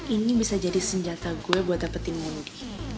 ini bisa jadi senjata gue buat dapetin energi